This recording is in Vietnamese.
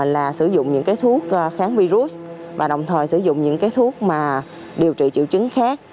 là sử dụng những cái thuốc kháng virus và đồng thời sử dụng những cái thuốc mà điều trị triệu chứng khác